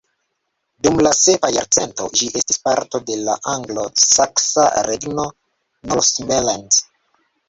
Dum la sepa jarcento, ĝi estis parto de la anglo-saksa regno Northumberland.